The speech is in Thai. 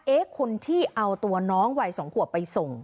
เอ๊ะคนที่เอาตัวน้องวัยสองขวบไปส่ง